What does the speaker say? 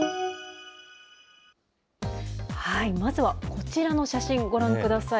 まずはこちらの写真、ご覧ください。